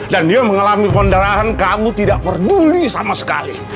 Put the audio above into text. dan dia mengalami pendarahan kamu tidak peduli sama sekali